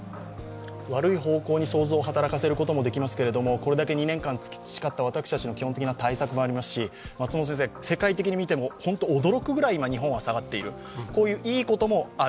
悪い方向に想像を働かせることもできますけどこれだけ２年間培った私たちの基本的な対策もありますし、世界的に見ても、日本は驚くぐらい下がっているこういういいこともある。